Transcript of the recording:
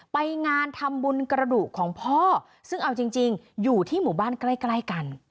ไปงานทำบุญกระดูกของพ่อซึ่งเอาจริงอยู่ที่หมู่บ้านใกล้กัน